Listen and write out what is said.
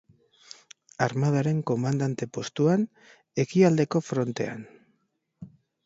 Armadaren komandante postuan, ekialdeko frontean.